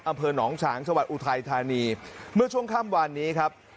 อำเภอหนองฉางจังหวัดอุทัยธานีเมื่อช่วงค่ำวานนี้ครับ